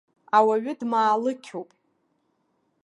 Ауаҩы дмаалықьуп.